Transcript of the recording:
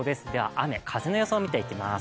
雨、風の予想見ていきます。